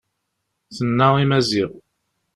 Tenna i Maziɣ.